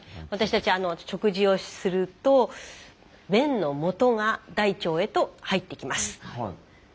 私たち食事をすると便のもとが大腸へと入ってきます。